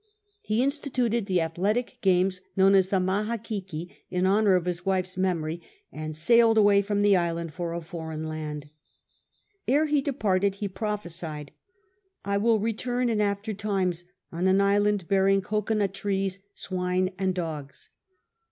He instituted the athletic games known as the Mahakiki in honour of his wife's memory, and sailed away from the island for a foreign land. Ere he departed he prophesied, "I 'will return in after times on an isLand bearing cocod nut trees, swine, and dogs."